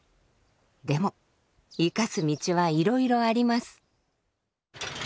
でも生かす道はいろいろあります。